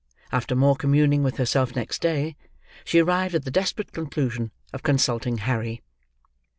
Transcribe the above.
After more communing with herself next day, she arrived at the desperate conclusion of consulting Harry.